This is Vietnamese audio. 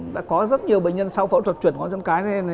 đã có rất nhiều bệnh nhân sau phẫu thuật chuyển ngón chân cái lên